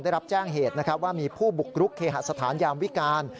ได้รับแจ้งเหตุนะครับว่ามีผู้บุกรุกเคหสถานยามวิการ